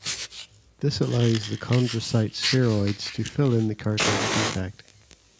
This allows the chondrocyte spheroids to fill in the cartilage defect.